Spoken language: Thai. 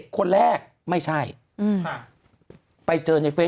คุณหนุ่มกัญชัยได้เล่าใหญ่ใจความไปสักส่วนใหญ่แล้ว